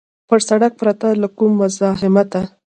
پر سړک پرته له کوم مزاحمته.